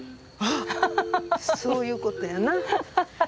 ああそういうことやな。